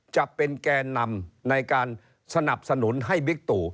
จะเป็นแก่นำในการสนับสนุนให้บิกตุ